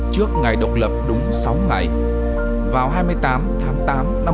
trước ngày độc lập đúng sáu ngày vào hai mươi tám tháng tám năm một nghìn chín trăm bốn mươi năm